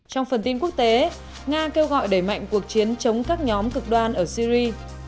trong phần tin quốc tế nga kêu gọi đẩy mạnh cuộc chiến chống các nhóm cực đoan ở syri